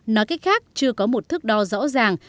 nói cách khác chưa có một thước đo rõ ràng